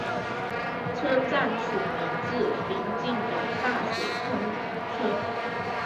车站取名自邻近的大水坑村。